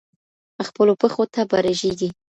خپلو پښو ته به رژېږې